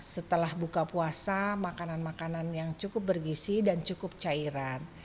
setelah buka puasa makanan makanan yang cukup bergisi dan cukup cairan